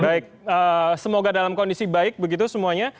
baik semoga dalam kondisi baik begitu semuanya